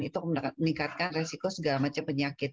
itu meningkatkan resiko segala macam penyakit